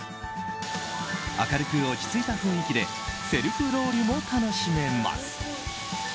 明るく落ち着いた雰囲気でセルフロウリュも楽しめます。